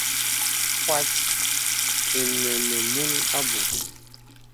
Pwas inə nə̀ mūl abù.